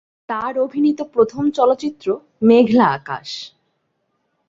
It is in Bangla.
তার অভিনীত প্রথম চলচ্চিত্র মেঘলা আকাশ।